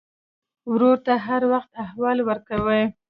ورور ته هر وخت احوال ورکوې.